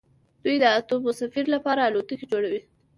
دوی د اتموسفیر لپاره الوتکې جوړوي.